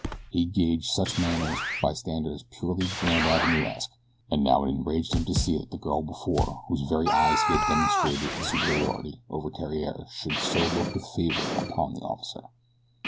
He gauged such matters by standards purely Grand Avenuesque and now it enraged him to see that the girl before whose very eyes he had demonstrated his superiority over Theriere should so look with favor upon the officer.